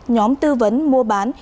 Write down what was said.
nhóm tư vấn mua bán